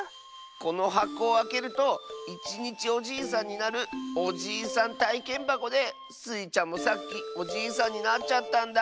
このはこをあけるといちにちおじいさんになるおじいさんたいけんばこでスイちゃんもさっきおじいさんになっちゃったんだ。